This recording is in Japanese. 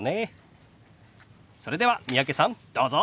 それでは三宅さんどうぞ！